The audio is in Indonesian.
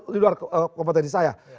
di luar kompetensi saya